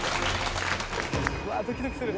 うわあドキドキする。